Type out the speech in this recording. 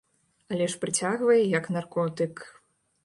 Але ж прыцягвае, як наркотык.